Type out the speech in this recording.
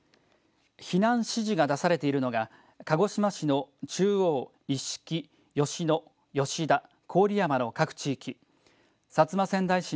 避難指示が出されているのが鹿児島市の中央、伊敷、吉野吉田、郡山の各地域